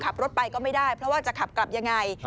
ขับรถไปก็ไม่ได้เพราะว่าจะขับกลับยังไง